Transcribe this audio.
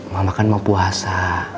mama kan mau puasa